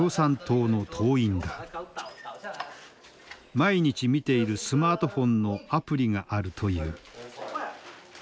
毎日見ているスマートフォンのアプリがあるという。